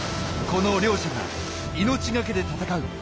この両者が命懸けで闘う。